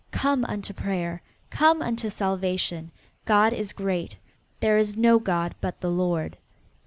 Come unto prayer! Come unto salvation! God is great. There is no god but the Lord."